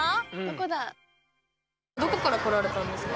どこから来られたんですか？